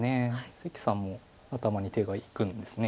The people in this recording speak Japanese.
関さんも頭に手がいくんですね。